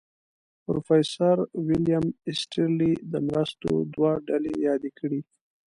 پروفیسر ویلیم ایسټرلي د مرستو دوه ډلې یادې کړې.